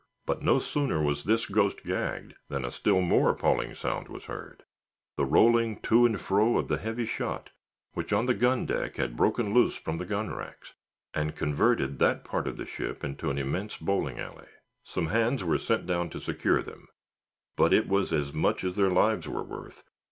But no sooner was this ghost gagged than a still more appalling sound was heard, the rolling to and fro of the heavy shot, which, on the gun deck, had broken loose from the gun racks, and converted that part of the ship into an immense bowling alley. Some hands were sent down to secure them; but it was as much as their lives were worth.